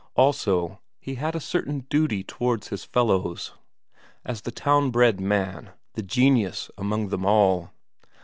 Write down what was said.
Also, he had a certain duty towards his fellows, as the town bred man, the genius among them all.